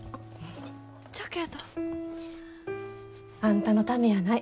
じゃけど。あんたのためやない。